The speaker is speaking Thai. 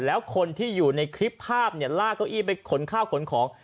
แล้วคนที่อยู่ในคลิปภาพเนี่ยลากเก้าอี้ไปขนข้าวขนของ